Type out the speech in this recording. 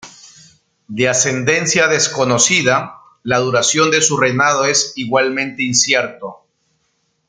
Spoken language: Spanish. De ascendencia desconocida, la duración de su reinado es igualmente incierto.